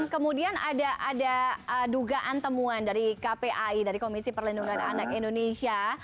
kemudian ada dugaan temuan dari kpai dari komisi perlindungan anak indonesia